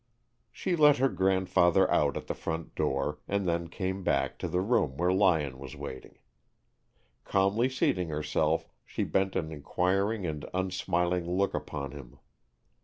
She let her grandfather out at the front door, and then came back to the room where Lyon was waiting. Calmly seating herself, she bent an inquiring and unsmiling look upon him.